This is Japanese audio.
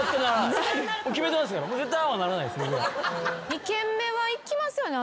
２軒目は行きますよね？